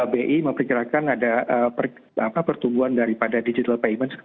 bi memperkirakan ada pertumbuhan daripada digital payment